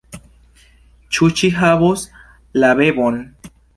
Ĉu ŝi havos la bebon?